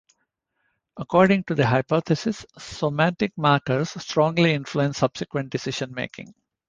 According to the hypothesis, somatic markers strongly influence subsequent decision-making.